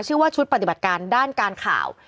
ชื่อว่าชุดปฏิบัติการด้านการข่าว